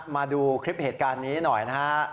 มาดูคลิปเหตุการณ์นี้หน่อยนะฮะ